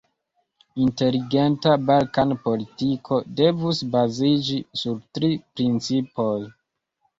Inteligenta Balkan-politiko devus baziĝi sur tri principoj.